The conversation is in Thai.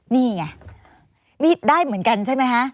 นี่ไงนี่ได้เหมือนกันใช่ไหมคะ